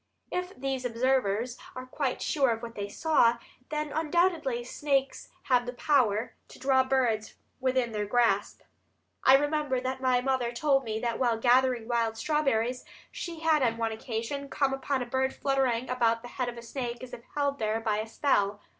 If these observers are quite sure of what they saw, then undoubtedly snakes have the power to draw birds within their grasp. I remember that my mother told me that while gathering wild strawberries she had on one occasion come upon a bird fluttering about the head of a snake as if held there by a spell.